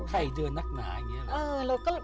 ใครเดินนักหนาอย่างนี้เหรอ